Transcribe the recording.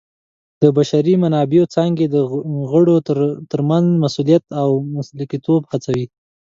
د بشري منابعو څانګې د غړو ترمنځ مسؤلیت او مسلکیتوب هڅوي.